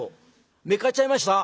「めっかっちゃいました？」。